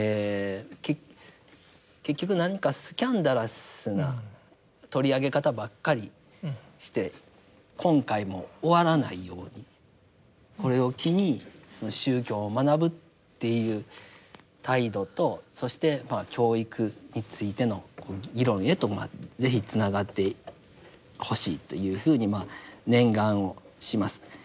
結局何かスキャンダラスな取り上げ方ばっかりして今回も終わらないようにこれを機に宗教を学ぶっていう態度とそして教育についての議論へと是非つながってほしいというふうにまあ念願をします。